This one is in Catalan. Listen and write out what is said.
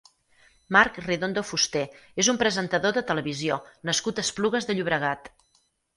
Marc Redondo Fusté és un presentador de televisió nascut a Esplugues de Llobregat.